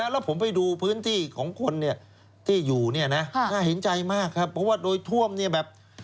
แล้วผมไปดูพื้นที่ของคนที่อยู่น่าเห็นใจมากครับเพราะว่าโดยท่วมแบบ